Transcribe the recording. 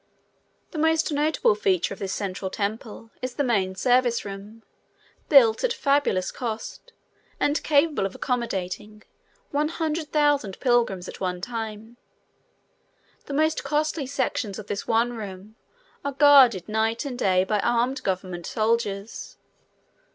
The most notable feature of this central temple is the main service room, built at fabulous cost and capable of accommodating one hundred thousand pilgrims at one time. The most costly sections of this one room are guarded night and day by armed government soldiers.